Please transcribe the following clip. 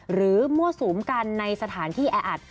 หรือมั่วสูมกันในสถานที่แอดอัด